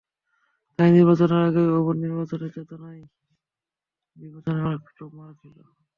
তাই নির্বাচনের আগেই অবাধ নির্বাচনের চেতনা আমার বিবেচনায় অনেকটাই মার খেল।